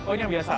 oh yang biasa